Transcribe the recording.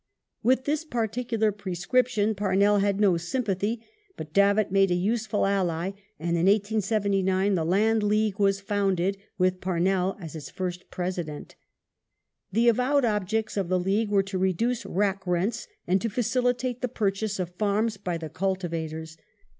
With this particular prescription Pamell had no sympathy ; but Davitt was a useful ally, and in 1879 the Land League was founded, with Parnell as its first President. The avowed objects of the League were to reduce rack rents, and to facilitate the purchase of farms by the cultivators.